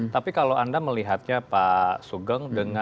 tapi kalau anda melihatnya pak sugeng